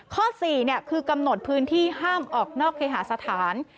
ข้อ๔คือกำหนดพื้นที่ห้ามออกนอกเคหาสถาน